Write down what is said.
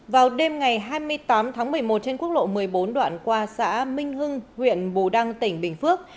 vào đêm ngày hai mươi tám tháng một mươi một trên quốc lộ một mươi bốn đoạn qua xã minh hưng huyện bù đăng tỉnh bình phước